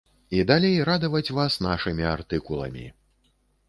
І далей радаваць вас нашымі артыкуламі.